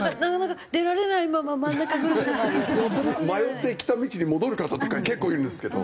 迷って来た道に戻る方とか結構いるんですけど。